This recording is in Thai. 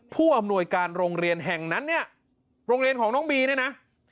ผู้อำนวยการโรงเรียนแห่งนั้นเนี่ยโรงเรียนของน้องบีเนี่ยนะ